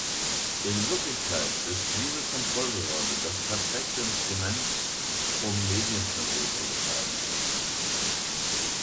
In Wirklichkeit ist diese Kontrollbehörde das perfekte Instrument, um Medienzensur zu betreiben.